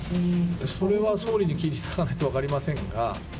それは総理に聞いていただかないと分かりませんが。